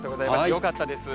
よかったです。